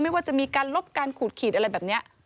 ว่าจะมีการลบการขูดขีดอะไรแบบนี้